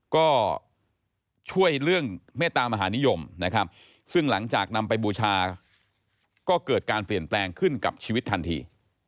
ก็ช่วยเรื่องเมตตามหานิยมนะครับซึ่งหลังจากนำไปบูชาก็เกิดการเปลี่ยนแปลงขึ้นกับชีวิตทันที